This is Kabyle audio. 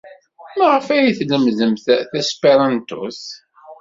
Maɣef ay la tlemmdemt tesperantot?